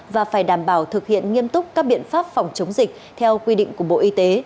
và phải đảm bảo thực hiện nghiêm túc các biện pháp phòng chống dịch theo quy định của bộ y tế